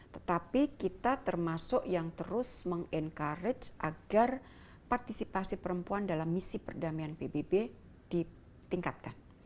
tetapi kita termasuk yang terus meng encourage agar partisipasi perempuan dalam misi perdamaian pbb ditingkatkan